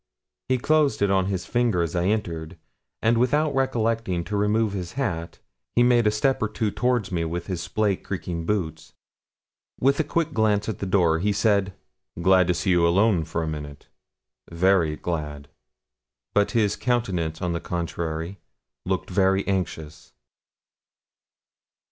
He closed it on his finger as I entered, and without recollecting to remove his hat, he made a step or two towards me with his splay, creaking boots. With a quick glance at the door, he said 'Glad to see you alone for a minute very glad.' But his countenance, on the contrary, looked very anxious.